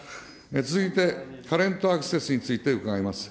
続いて、カレント・アクセスについて伺います。